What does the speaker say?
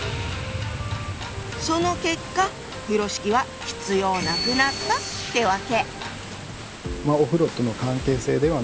その結果風呂敷は必要なくなったってわけ。